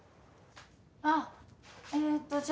ああえーっとじゃあ